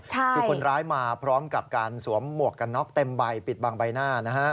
คือคนร้ายมาพร้อมกับการสวมหมวกกันน็อกเต็มใบปิดบางใบหน้านะฮะ